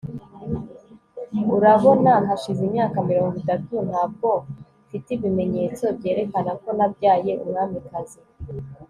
urabona, hashize imyaka mirongo itatu ntabwo nfite ibimenyetso byerekana ko nabyaye umwamikazi